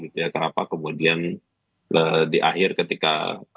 kenapa kemudian di akhir ketika